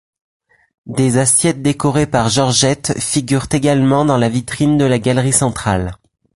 Des assiettes décorées par Georgette figurent également dans la vitrine de la galerie centrale.